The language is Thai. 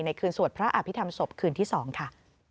คืนสวดพระอภิษฐรรมศพคืนที่๒ค่ะ